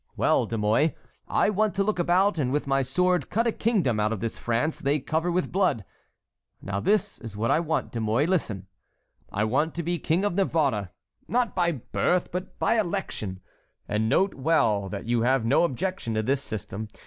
Well, De Mouy, I want to look about and with my sword cut a kingdom out of this France they cover with blood. Now this is what I want, De Mouy, listen: I want to be King of Navarre, not by birth but by election. And note well that you have no objection to this system.